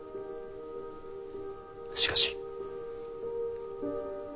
しかし。